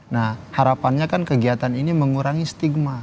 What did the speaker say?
nah harapannya kan kegiatan ini mengurangi stigma